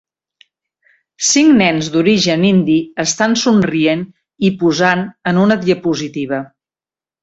Cinc nens d'origen indi estan somrient i posant en una diapositiva.